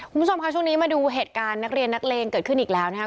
คุณผู้ชมค่ะช่วงนี้มาดูเหตุการณ์นักเรียนนักเลงเกิดขึ้นอีกแล้วนะครับ